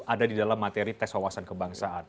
ada di dalam materi tes wawasan kebangsaan